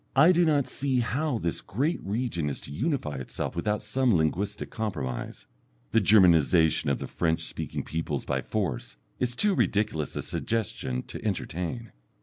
I do not see how this great region is to unify itself without some linguistic compromise the Germanization of the French speaking peoples by force is too ridiculous a suggestion to entertain.